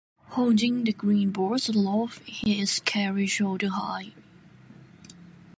Holding the green boughs aloft, he is carried shoulder-high.